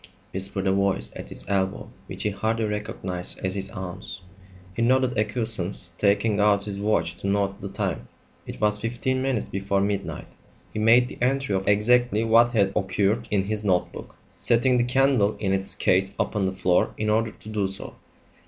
"It's beginning," whispered a voice at his elbow which he hardly recognised as his aunt's. He nodded acquiescence, taking out his watch to note the time. It was fifteen minutes before midnight; he made the entry of exactly what had occurred in his notebook, setting the candle in its case upon the floor in order to do so.